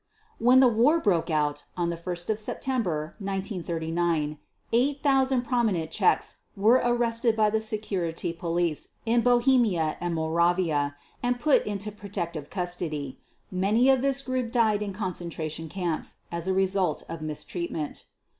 When the war broke out on 1 September 1939, 8,000 prominent Czechs were arrested by the Security Police in Bohemia and Moravia and put into protective custody. Many of this group died in concentration camps as a result of mistreatment.